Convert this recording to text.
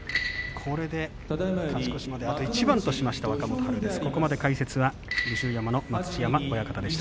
これで勝ち越しまであと一番としました